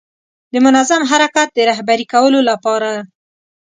د منظم حرکت د رهبري کولو لپاره.